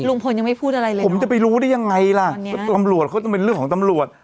ลุงพลยังไม่พูดอะไรเลยผมจะไปรู้ได้ยังไงล่ะตำรวจเขาต้องเป็นเรื่องของตำรวจ